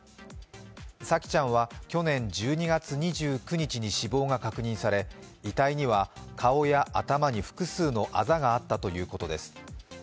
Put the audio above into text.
沙季ちゃんは、去年１２月２９日に死亡が確認され遺体には顔や頭に複数のあざがあったということです。